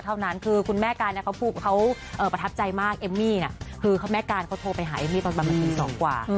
เท่านั้นคือคุณแม่การเขาประทับใจมากเอมมี่น่ะคือแม่การเขาโทรไปหาเอมมี่ตอนประมาณตี๒กว่า